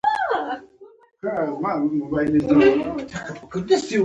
ما ترې وپوښتل امیلیو څه خبره ده آیا په ستونزه کې خو نه یې.